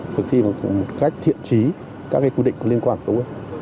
thực thi một cách thiện trí các quy định liên quan tới quốc gia